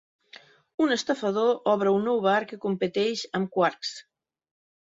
Un estafador obre un nou bar que competeix amb Quark s.